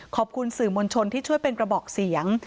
ขอบคุณสื่อมวลชนที่ช่วยเป็นกระบอกเสียง